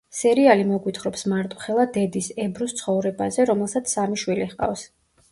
სერიალი მოგვითხრობს მარტოხელა დედის, ებრუს ცხოვრებაზე, რომელსაც სამი შვილი ჰყავს.